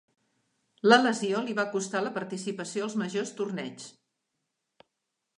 La lesió li va costar la participació als majors torneigs.